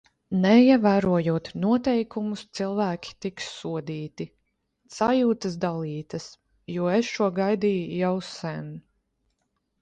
Neievērojot noteikumus, cilvēki tiks sodīti. Sajūtas dalītas, jo es šo gaidīju jau sen.